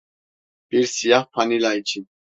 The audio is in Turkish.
Bir Siyah Fanila İçin.